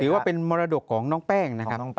ว่าเป็นมรดกของน้องแป้งนะครับ